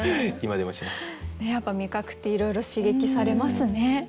やっぱり味覚っていろいろ刺激されますね。